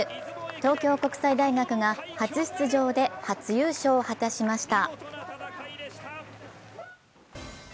東京国際大学が初出場で初優勝を果たしました。